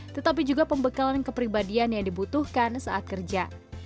tetapi juga pembekalan kepribadian yang dibutuhkan saat kerja